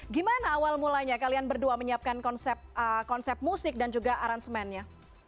gimana awal mulanya kalian berdua menyiapkan konsep musik dan juga aransemennya